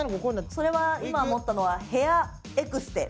それは今持ったのはヘアエクステ。